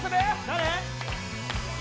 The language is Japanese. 誰？